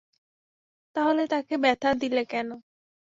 তাহলে তাঁকে ব্যথা দিলে কেন?